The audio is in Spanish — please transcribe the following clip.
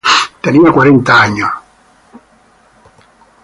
Tenía cuarenta años.